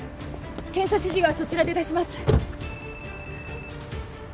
検査指示はそちらで出します。